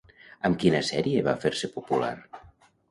Amb quina sèrie va fer-se popular?